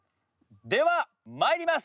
ではまいります。